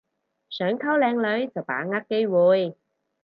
想溝靚女就把握機會